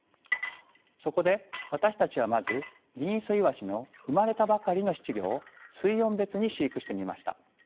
そこで私たちはまずギンイソイワシの産まれたばかりの仔稚魚を水温別に飼育してみました。